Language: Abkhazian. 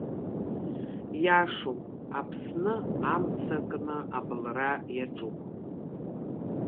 Иашоуп, Аԥсны амца акны абылра иаҿуп…